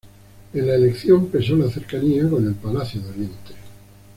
En la elección pesó la cercanía con el palacio de Oriente.